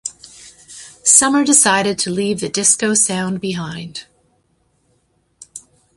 Summer decided to leave the disco sound behind.